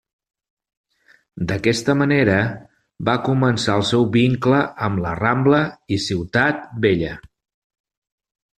D'aquesta manera va començar el seu vincle amb la Rambla i Ciutat Vella.